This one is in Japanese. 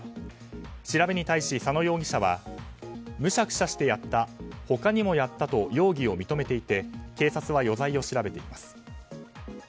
調べに対し佐野容疑者はむしゃくしゃしてやった他にもやったと容疑を認めていて警察は、余罪を調べています。